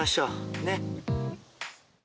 ねっ。